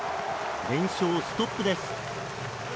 連勝ストップです。